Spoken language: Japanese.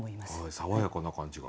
爽やかな感じが。